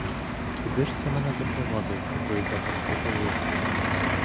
Куди ж це мене запровадив отой загадковий лист?